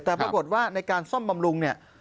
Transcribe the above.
แต่ปรากฏว่าในการซ่อมบำรุงเนี่ย